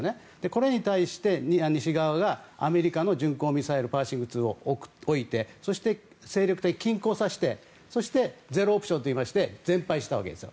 これに対して西側がアメリカの巡航ミサイルを置いて戦力的均衡をさせてそして、ゼロオプションといいまして全廃したんです。